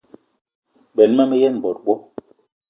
Benn ma me yen bot bo.